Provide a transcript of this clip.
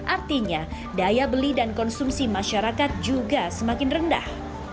artinya daya beli dan konsumsi masyarakat juga semakin rendah